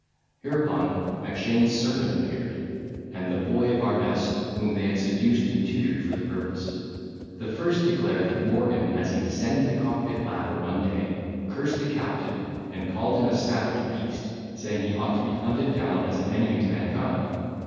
Hereupon Mackshane's servant appeared, and the boy of our mess, whom they had seduced and tutored for the purpose. The first declared, that Morgan as he descended the cockpit ladder one day, cursed the captain, and called him a savage beast, saying, he ought to be hunted down as an enemy to mankind.